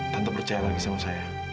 tanpa percaya lagi sama saya